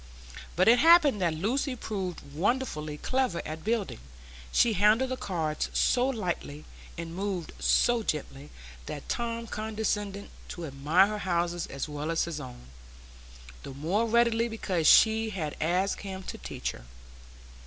But it happened that Lucy proved wonderfully clever at building; she handled the cards so lightly, and moved so gently, that Tom condescended to admire her houses as well as his own, the more readily because she had asked him to teach her.